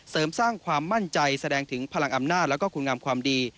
เสริมสร้างความมั่นใจแสดงถึงพลังอำนาจแล้วก็คุณงามความดี